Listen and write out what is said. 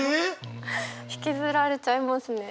引きずられちゃいますね。